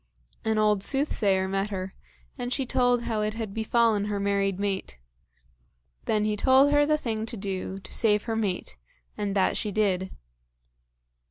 An old soothsayer met her, and she told how it had befallen her married mate. Then he told her the thing to do to save her mate, and that she did.